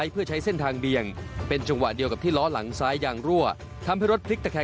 เพราะว่ามันก็ไม่ได้มีรถอะไรตัดหน้าก็เลี่ยวตามปกติ